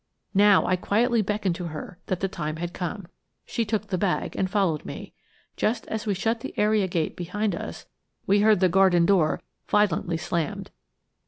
Now I quietly beckoned to her that the time had come. She took the bag and followed me. Just as we shut the area gate behind us, we heard the garden door violently slammed.